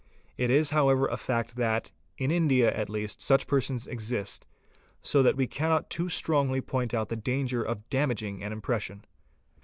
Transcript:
It is however a fact that, in India at least, such persons exist, so that we cannot too strongly point out the danger of damaging an impression.